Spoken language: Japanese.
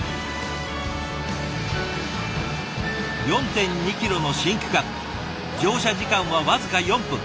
４．２ｋｍの新区間乗車時間は僅か４分。